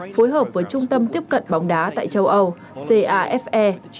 phối hợp với trung tâm tiếp cận bóng đá tại châu âu cafe